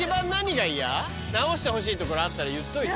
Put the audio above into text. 直してほしいところあったら言っといて。